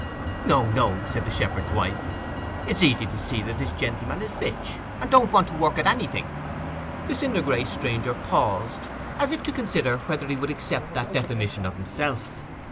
'No, no,' said the shepherd's wife. 'It is easy to see that the gentleman is rich, and don't want to work at anything.' The cinder gray stranger paused, as if to consider whether he would accept that definition of himself.